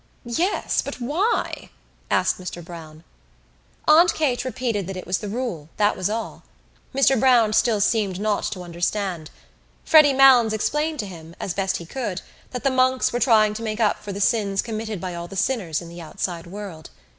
"Yes, but why?" asked Mr Browne. Aunt Kate repeated that it was the rule, that was all. Mr Browne still seemed not to understand. Freddy Malins explained to him, as best he could, that the monks were trying to make up for the sins committed by all the sinners in the outside world.